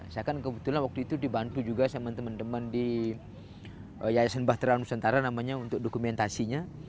saya kan kebetulan waktu itu dibantu juga sama teman teman di yayasan bahtera nusantara namanya untuk dokumentasinya